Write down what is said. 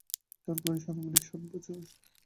তাঁর বয়স আনুমানিক ষাট বছর।